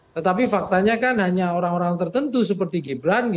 tetapi faktanya kan hanya orang orang tertentu seperti gibran